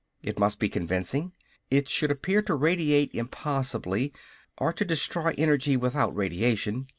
It must be convincing. It should appear to radiate impossibly, or to destroy energy without radiation.